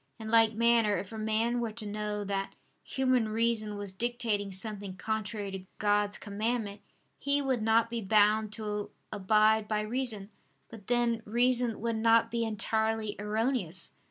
In like manner if a man were to know that human reason was dictating something contrary to God's commandment, he would not be bound to abide by reason: but then reason would not be entirely erroneous.